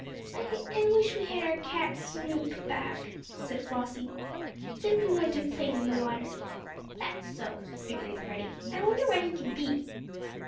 "I I wish we had our cat, Snoop, back," said Flossie. "Then we wouldn't have played in the water." "That's so," agreed Freddie. "I wonder where he can be?"